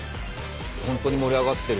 本当に盛り上がってる。